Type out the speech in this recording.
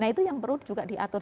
nah itu yang perlu juga diatur